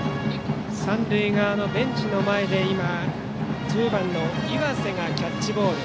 三塁側のベンチの前で１０番の岩瀬がキャッチボール。